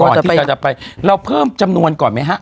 ที่เราจะไปเราเพิ่มจำนวนก่อนไหมฮะ